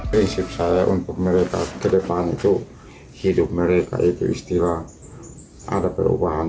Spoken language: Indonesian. prinsip saya untuk mereka ke depan itu hidup mereka itu istilah ada perubahan